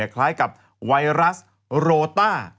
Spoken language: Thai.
คล้ายกับไวรัสโรต้า